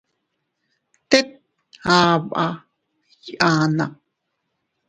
Teet afba iyana.